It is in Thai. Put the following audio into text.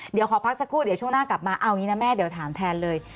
เดี๋ยวขอพักสักครู่เดี๋ยวช่วงหน้ากลับมาเอาอย่างนี้นะแม่เดี๋ยวถามแทนเลย